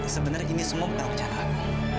sebenarnya ini semua berkata kata aku